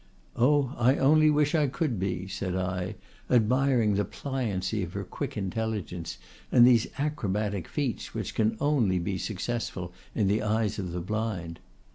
'—Oh! I only wish I could be!' said I, admiring the pliancy of her quick intelligence, and these acrobatic feats which can only be successful in the eyes of the blind.